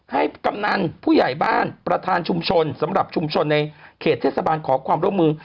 กำนันผู้ใหญ่บ้านประธานชุมชนสำหรับชุมชนในเขตเทศบาลขอความร่วมมือ